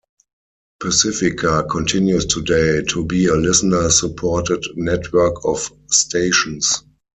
Pacifica continues today to be a listener-supported network of stations.